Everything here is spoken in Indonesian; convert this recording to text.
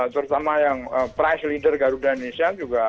terutama yang price leader garuda indonesia juga